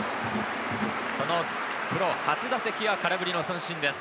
そのプロ初打席は空振りの三振です。